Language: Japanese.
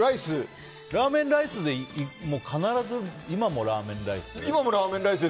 ラーメンライスで必ず今もラーメンライス？